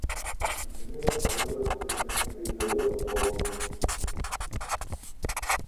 ஒரு பெண்ணிடம் பழகுகிற மாதிரியாகவா இருக்கிறது அவர் போக்கு?